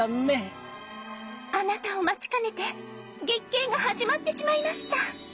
あなたを待ちかねて月経が始まってしまいました。